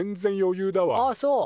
あそう。